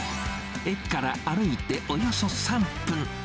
駅から歩いておよそ３分。